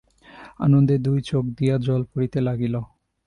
আনন্দে দুই চোখ দিয়া জল পড়িতে লাগিল।